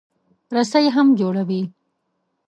رسۍ هم جوړوي.